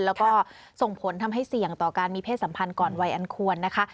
แล้วก็ส่งผลทำให้เสี่ยงต่อการมีเพศสัมพันธ์ก่อนวัยอันควรนะคะ